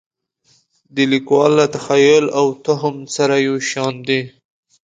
د لیکوال له تخیل او توهم سره یو شان دي.